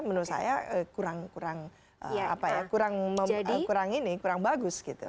menurut saya kurang kurang apa ya kurang ini kurang bagus gitu